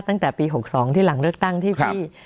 ตั้งแต่ปี๖๒ที่หลังเลือกตั้งที่พี่